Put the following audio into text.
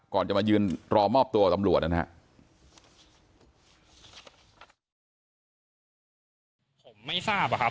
ก่อนจะมายืนรอมอบตัวกับตำรวจนะครับ